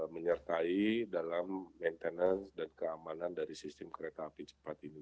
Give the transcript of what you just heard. menyertai dalam maintenance dan keamanan dari sistem kereta api cepat ini